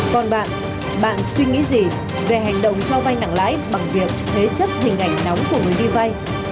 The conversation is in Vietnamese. còn bạn bạn suy nghĩ gì về hành động cho vai nặng lãi bằng việc thế chấp hình ảnh nóng của người đi vay